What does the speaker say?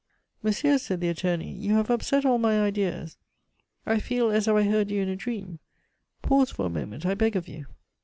"Monsieur," said the attorney, "you have upset all my ideas. I feel as if I heard you in a dream. Pause for a moment, I beg of you."